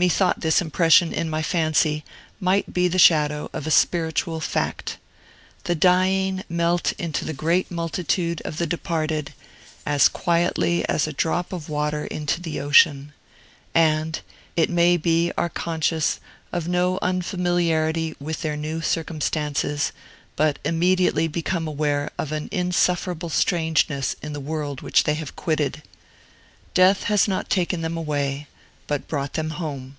Methought this impression in my fancy might be the shadow of a spiritual fact. The dying melt into the great multitude of the Departed as quietly as a drop of water into the ocean, and, it may be are conscious of no unfamiliarity with their new circumstances, but immediately become aware of an insufferable strangeness in the world which they have quitted. Death has not taken them away, but brought them home.